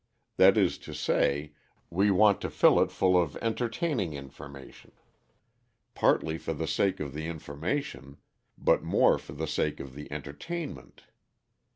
That is to say, we want to fill it full of entertaining information, partly for the sake of the information but more for the sake of the entertainment.